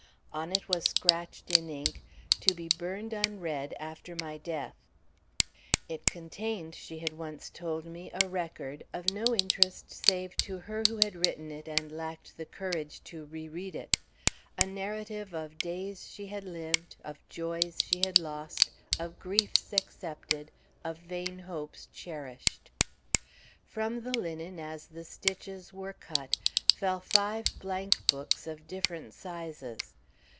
On it was scratched in ink "To be burned unread after my death"; it contained, she had once told me, a record of no interest save to her who had written it and lacked the courage to re read it; a narrative of days she had lived, of joys she had lost; of griefs accepted, of vain hopes cherished. From the linen, as the stitches were cut, fell five blank books of different sizes.